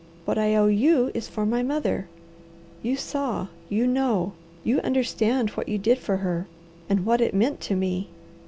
What I owe you is for my mother. You saw! You know! You understand what you did for her, and what it meant to me.